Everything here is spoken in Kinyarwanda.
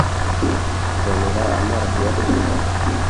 «nzanira amazi yo kunywa